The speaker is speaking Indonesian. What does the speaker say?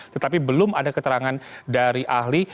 tetapi belum ada keterangan dari ahli